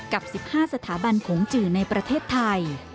กับ๑๕สถาบันโขงจือในประเทศไทย